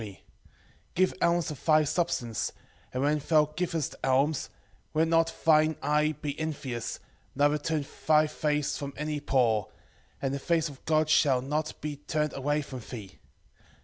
4:7 Give alms of thy substance; and when thou givest alms, let not thine eye be envious, neither turn thy face from any poor, and the face of God shall not be turned away from thee.